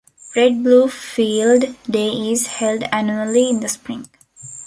Red-Blue Field Day is held annually in the spring.